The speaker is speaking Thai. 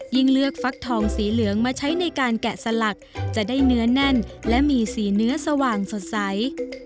เลือกฟักทองสีเหลืองมาใช้ในการแกะสลักจะได้เนื้อแน่นและมีสีเนื้อสว่างสดใส